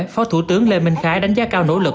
phó thủ tướng lê minh khái đánh giá cao nỗ lực